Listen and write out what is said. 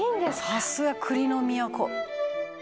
「さすが栗の都」